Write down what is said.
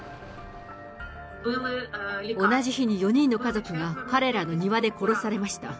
同じ日に４人の家族が彼らの庭で殺されました。